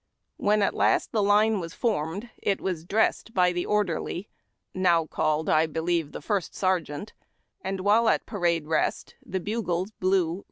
When at last the line was formed, it was dressed by the orderly, — now called, I believe, first sei'geant, — and while at ''Parade Rest " the bugles blew.